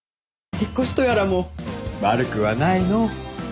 引っ越しとやらも悪くはないのぉ。